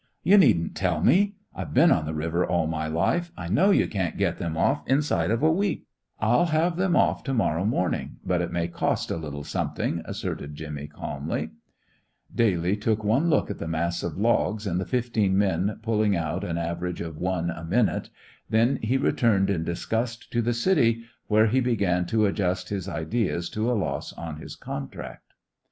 You needn't tell me! I've been on the river all my life. I know you can't get them off inside of a week." "I'll have 'em off to morrow morning, but it may cost a little something," asserted Jimmy, calmly. Daly took one look at the mass of logs, and the fifteen men pulling out an average of one a minute. Then he returned in disgust to the city, where he began to adjust his ideas to a loss on his contract.